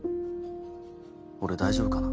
俺大丈夫かな？